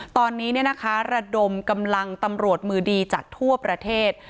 ตอนนี้ระดมกำลังตำรวจมือดีจากทั่วประเทศ